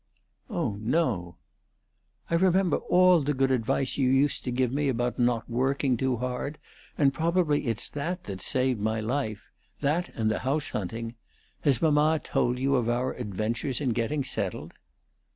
"Oh no " "I remember all the good advice you used to give me about not working too hard, and probably it's that that's saved my life that and the house hunting. Has mamma told you of our adventures in getting settled?